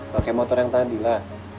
pakai motor yang tadi lah